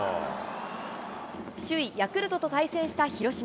首位ヤクルトと対戦した広島。